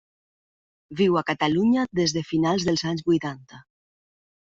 Viu a Catalunya des de finals dels anys vuitanta.